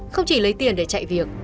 không chỉ lấy tiền để chạy việc